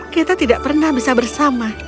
kita tidak pernah bisa bersama